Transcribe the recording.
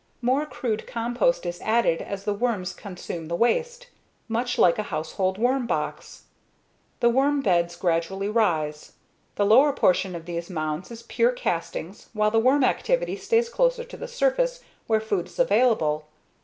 More crude compost is added as the worms consume the waste, much like a household worm box. The worm beds gradually rise. The lower portion of these mounds is pure castings while the worm activity stays closer to the surface where food is available.